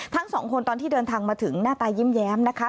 ทั้งสองคนตอนที่เดินทางมาถึงหน้าตายิ้มนะคะ